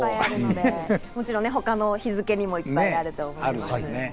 もちろん他の日付にもいっぱいあると思います。